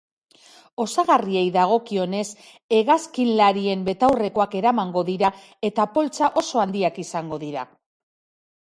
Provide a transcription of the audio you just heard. Osagarriei dagokienez, hegazkinlarien betaurrekoak eramango dira eta poltsak oso handiak izango dira.